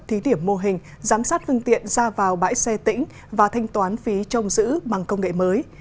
thí điểm mô hình giám sát phương tiện ra vào bãi xe tỉnh và thanh toán phí trông giữ bằng công nghệ mới